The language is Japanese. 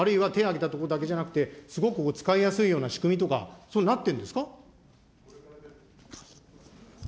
あるいは手挙げたところだけじゃなくて、すごく使いやすいような仕組みとか、そうなってるんですか。